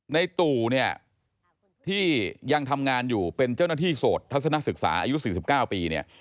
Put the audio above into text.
ตู่เนี่ยที่ยังทำงานอยู่เป็นเจ้าหน้าที่โสดทัศนศึกษาอายุ๔๙ปีเนี่ย